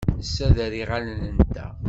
Nessader iɣallen-nteɣ.